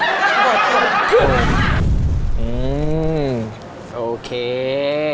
แป้งโรตี